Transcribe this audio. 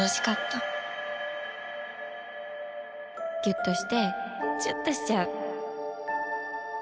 ギュッとしてチュッとしちゃう。